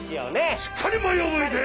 しっかりまえをむいて！